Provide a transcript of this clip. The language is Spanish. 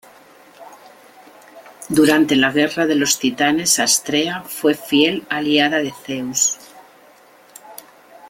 Durante la Guerra de los Titanes Astrea fue fiel aliada de Zeus.